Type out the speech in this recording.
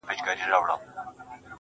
زه به د ميني يوه در زده کړم_